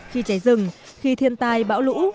khi cháy rừng khi thiên tài bão lũ